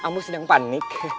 mbu sedang panik